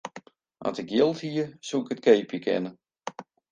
As ik jild hie, soe ik it keapje kinne.